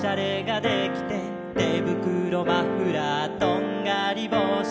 「てぶくろマフラーとんがりぼうし」